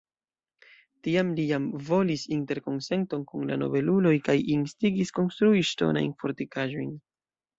Tiam li jam volis interkonsenton kun la nobeluloj kaj instigis konstrui ŝtonajn fortikaĵojn.